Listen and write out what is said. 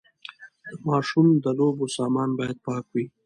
د ماشوم د لوبو سامان باید پاک وي۔